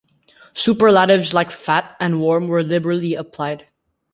Superlatives like "fat" and "warm" were liberally applied.